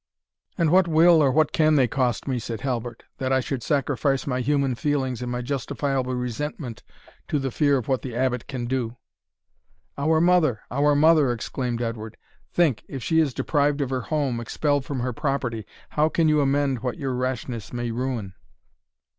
"And what will, or what can they cost me," said Halbert, "that I should sacrifice my human feelings and my justifiable resentment to the fear of what the Abbot can do?" "Our mother our mother!" exclaimed Edward; "think, if she is deprived of her home, expelled from her property, how can you amend what your rashness may ruin?"